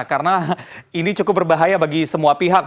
karena ini cukup berbahaya bagi semua pihak